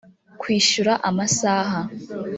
kwishyura amasaha